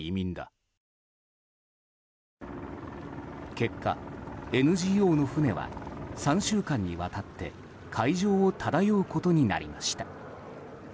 結果、ＮＧＯの船は３週間にわたって海上を漂うことになりました。